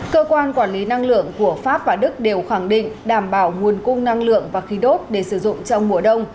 cơ quan quản lý năng lượng của pháp và đức đều khẳng định đảm bảo nguồn cung năng lượng và khí đốt để sử dụng trong mùa đông